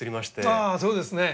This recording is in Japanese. ああそうですね。